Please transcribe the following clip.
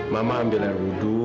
mama ambil air udu